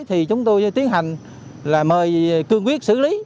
thì chúng tôi tiến hành là mời cương quyết xử lý